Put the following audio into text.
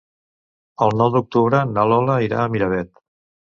El nou d'octubre na Lola irà a Miravet.